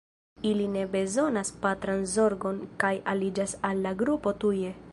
Ili ne bezonas patran zorgon kaj aliĝas al la grupo tuje.